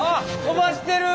飛ばしてる！